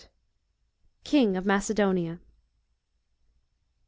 38. KING 'OP MACEDONIA.